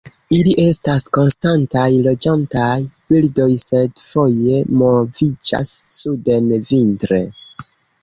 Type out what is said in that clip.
Ili estas konstantaj loĝantaj birdoj, sed foje moviĝas suden vintre.